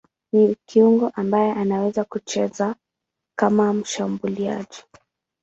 Ni kiungo ambaye anaweza kucheza kama mshambuliaji.